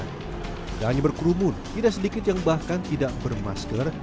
tidak hanya berkerumun tidak sedikit yang bahkan tidak bermasker